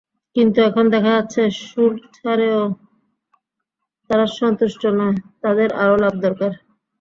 কিন্তু এখন দেখা যাচ্ছে, শুল্কছাড়েও তারা সন্তুষ্ট নয়, তাদের আরও লাভ দরকার।